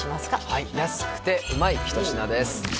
はい安くてうまい一品です